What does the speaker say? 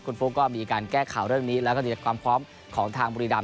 คุณฟุ๊กก็มีการแก้ข่าวเรื่องนี้แล้วก็เตรียมความพร้อมของทางบุรีราม